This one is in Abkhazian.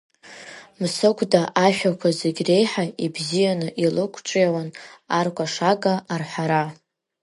Мсыгәда ашәақәа зегьы реиҳа ибзианы илықәҿиауан аркәашага арҳәара.